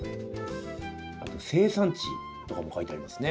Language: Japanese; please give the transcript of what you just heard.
あと生産地とかも書いてありますね。